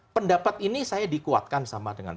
pendapat ini saya dikuatkan sama dengan